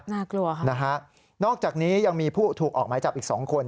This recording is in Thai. น่ากลัวค่ะนะฮะนอกจากนี้ยังมีผู้ถูกออกหมายจับอีก๒คน